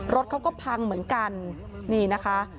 รถเขาก็พังเหมือนกัน